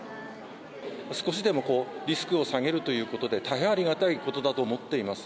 少しでもリスクを下げるということで、大変ありがたいことだと思っています。